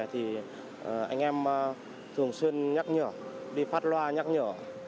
thì anh em thường xuyên nhắc nhở đi phát loa nhắc nhở